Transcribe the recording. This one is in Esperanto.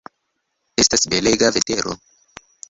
Estas belega vetero.